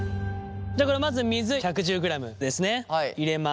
じゃあまず水１１０ｇですね入れます。